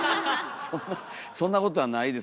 そんなそんなことはないです。